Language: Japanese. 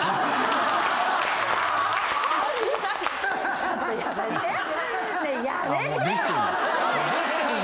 ちょっとやめて。